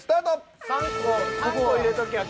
３個入れときゃ